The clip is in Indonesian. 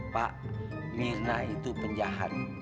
pak mirna itu penjahat